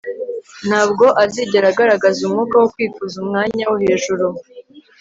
ntabwo azigera agaragaza umwuka wo kwifuza umwanya wo hejuru